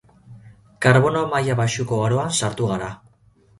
Karbono maila baxuko aroan sartu gara.